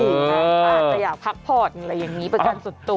อาจจะอยากพักผ่อนอะไรอย่างนี้ประกันสุดตัว